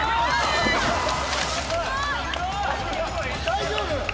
大丈夫？